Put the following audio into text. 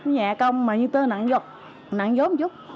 nhẹ công mà như tôi nặng dốt nặng dốt một chút